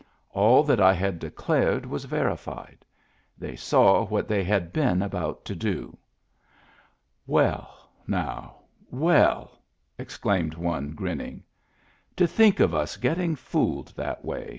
All that I had declared was verified ; they saw what they had been about to do. " Well, now, well !" exclaimed one, grinning. "To think of us getting fooled that way!"